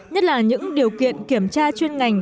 nhất là những điều kiện kiểm tra chuyên ngành